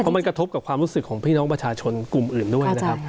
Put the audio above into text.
เพราะมันกระทบกับความรู้สึกของพี่น้องประชาชนกลุ่มอื่นด้วยนะครับ